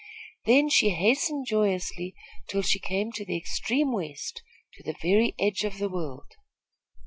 Then she hastened joyously, till she came to the extreme west, to the very edge of the world."